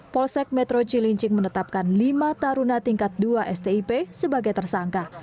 polsek metro cilincing menetapkan lima taruna tingkat dua stip sebagai tersangka